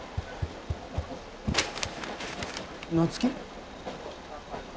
夏樹？